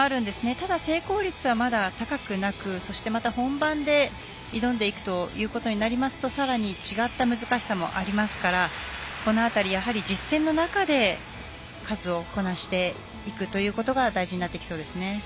ただ成功率は、まだ高くなく、そしてまた本番で挑んでいくということになりますとさらに違った難しさもありますからこの辺り、やはり実戦の中で数をこなしていくということが大事になってきそうですね。